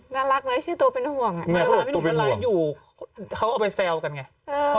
น่ารักนะชื่อตัวเป็นห่วงตัวเป็นห่วงอยู่เขาเอาไปแซวกันไงอ่า